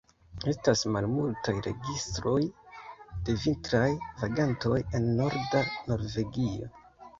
Estas malmultaj registroj de vintraj vagantoj en norda Norvegio.